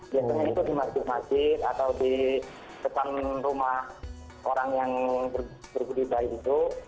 biasanya itu di masjid masjid atau di depan rumah orang yang berbudidaya itu